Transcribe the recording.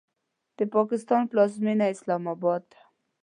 د پاکستان پلازمینه اسلام آباد ده.